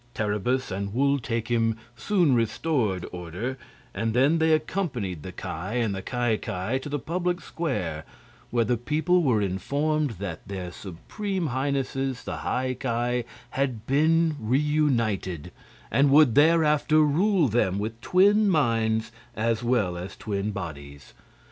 Terribus and Wul Takim soon restored order, and then they accompanied the Ki and the Ki Ki to the public square, where the people were informed that their Supreme Highnesses, the High Ki, had been reunited and would thereafter rule them with twin minds as well as twin bodies.